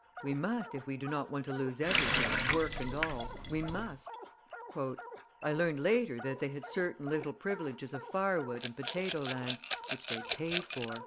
"We must, if we do not want to lose everything, work and all, we must." I learned later that they had certain little privileges of fire wood and potato land (which they paid for!)